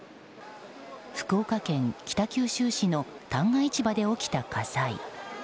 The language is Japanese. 福岡県北九州市の旦過市場で起きた火災。